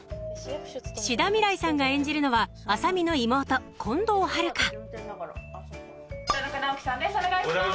志田未来さんが演じるのは麻美の妹近藤遥田中直樹さんです